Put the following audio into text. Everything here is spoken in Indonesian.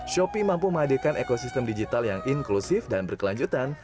shopee mampu menghadirkan ekosistem digital yang inklusif dan berkelanjutan